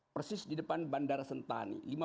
persis di depan bandara sentani